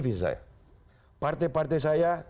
visi saya partai partai saya